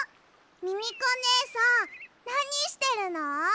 ミミコねえさんなにしてるの？